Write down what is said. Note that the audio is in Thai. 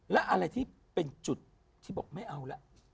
และอะไรที่เป็นจุดที่บอกไม่เอาแล้ว